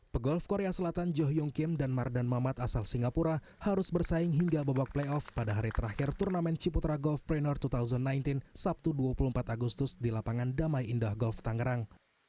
pegolf korea selatan jo hyung kim dan mardan mamat asal singapura harus bersaing hingga babak playoff pada hari terakhir turnamen ciputra golf preneur dua ribu sembilan belas sabtu dua puluh empat agustus di lapangan damai indah golf tangerang